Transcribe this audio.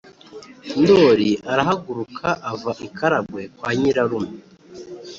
” ndoli arahaguruka ava i karagwe kwa nyirarume